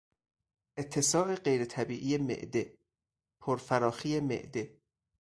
اتساع غیرطبیعی معده، پرفراخی معده